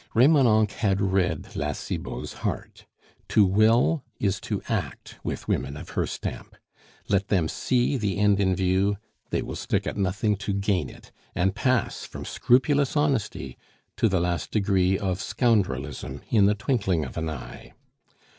Remonencq had read La Cibot's heart. To will is to act with women of her stamp. Let them see the end in view; they will stick at nothing to gain it, and pass from scrupulous honesty to the last degree of scoundrelism in the twinkling of an eye.